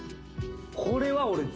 これは俺。